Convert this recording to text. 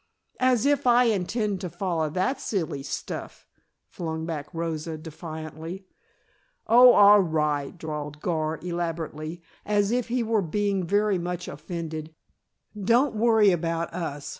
"As if I intend to follow that silly stuff," flung back Rosa, defiantly. "Oh, all right," drawled Gar elaborately, as if he were being very much offended. "Don't worry about us.